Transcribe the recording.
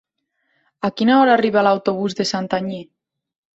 A quina hora arriba l'autobús de Santanyí?